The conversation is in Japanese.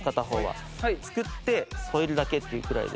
作って添えるだけっていうくらいで。